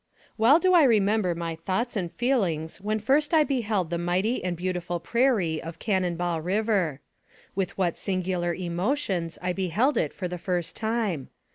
WELL do I remember my thoughts and feelings when first I beheld the mighty and beautiful prairie of Cannon Ball River. With what singular emotions I beheld it for the first time!